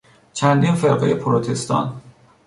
چندین فرقهی پروتستان